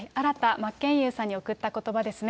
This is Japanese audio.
真剣佑さんに送ったことばですね。